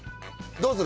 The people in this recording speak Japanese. どうする？